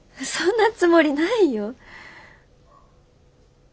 そんなつもりないよ。